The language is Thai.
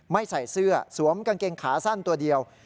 ใส่เสื้อสวมกางเกงขาสั้นตัวเดียว